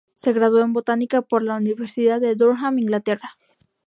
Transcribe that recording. Se graduó en botánica por la Universidad de Durham, Inglaterra.